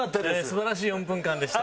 素晴らしい４分間でした。